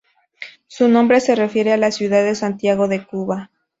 Su nombre se refiere a la ciudad de Santiago de Cuba.